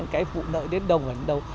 cái vụ nợ đến đâu